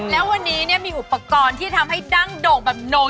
แล้ววันนี้เนี่ยมีอุปกรณ์ที่จะทำให้ดั่งโด่งแบบโน